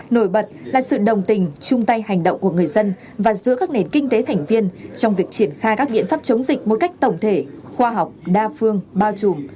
nổi bật là sự đồng tình chung tay hành động của người dân và giữa các nền kinh tế thành viên trong việc triển khai các biện pháp chống dịch một cách tổng thể khoa học đa phương bao trùm